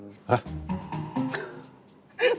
ฮะ